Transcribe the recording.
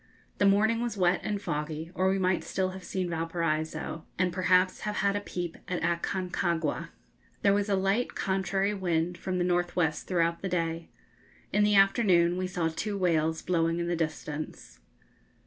The morning was wet and foggy, or we might still have seen Valparaiso, and perhaps have had a peep at Aconcagua. There was a light contrary wind from the N.W. throughout the day. In the afternoon we saw two whales blowing in the distance.